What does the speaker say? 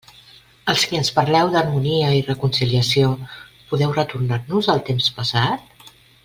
Els qui ens parleu d'harmonia i reconciliació, ¿podeu retornar-nos el temps passat?